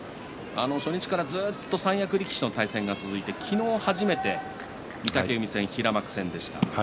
初日からずっと三役力士との対戦が続いて昨日初めて平幕の御嶽海戦でした。